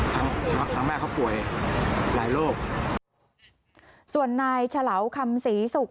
ทั้งทางทั้งแม่เขาป่วยหลายโรคส่วนนายฉลาวคำศรีศุกร์